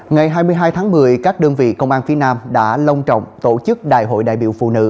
ngày hai mươi hai tháng một mươi các đơn vị công an phía nam đã long trọng tổ chức đại hội đại biểu phụ nữ